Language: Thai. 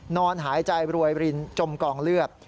นอนหายใจรวยรินจมกองเลือด